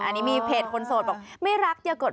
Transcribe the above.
อันนี้มีเพจคนโสดบอก